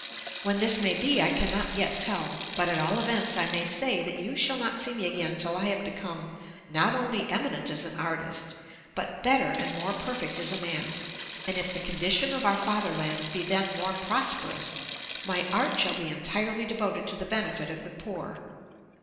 When this may be I cannot yet tell, but at all events I may say that you shall not see me again till I have become not only eminent as an artist, but better and more perfect as a man; and if the condition of our fatherland be then more prosperous, my art shall be entirely devoted to the benefit of the poor.